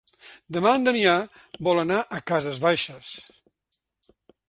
Demà en Damià vol anar a Cases Baixes.